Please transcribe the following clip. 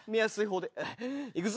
いくぞ。